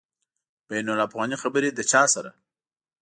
بین الافغاني خبري له چا سره؟